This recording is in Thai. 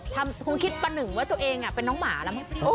ทำคุณคิดปะหนึ่งว่าตัวเองเป็นน้องหมาละ